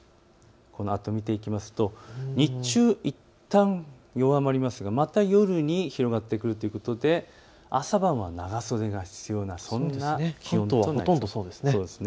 このあと見ていくと日中、いったん弱まりますが、また夜に広がってくるということで朝晩は長袖が必要な、そんな気温となりそうです。